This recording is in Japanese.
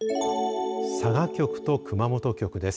佐賀局と熊本局です。